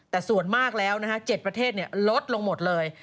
แต่ส่วนมากแล้ว๗ประเทศลดลงหมดเลย